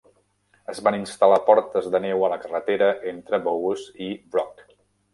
Es van instal·lar portes de neu a la carretera entre Bowes i Brough.